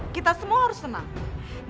kita semua harus senang